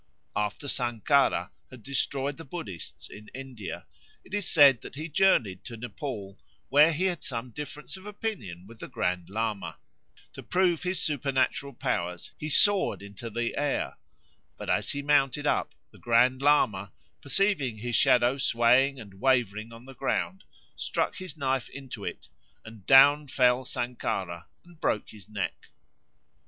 After Sankara had destroyed the Buddhists in India, it is said that he journeyed to Nepaul, where he had some difference of opinion with the Grand Lama. To prove his supernatural powers, he soared into the air. But as he mounted up the Grand Lama, perceiving his shadow swaying and wavering on the ground, struck his knife into it and down fell Sankara and broke his neck.